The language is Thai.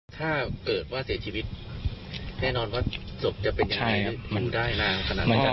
ถ้าเกิดว่าเสียชีวิตแน่นอนว่าศพจะเป็นอย่างไร